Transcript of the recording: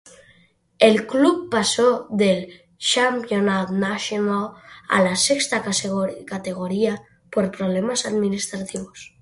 El club pasó del Championnat National a la sexta categoría por problemas administrativos.